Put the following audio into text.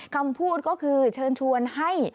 คำพูดก็คือเชิญชวนให้